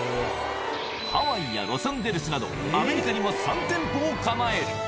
ハワイやロサンゼルスなど、アメリカにも３店舗を構える。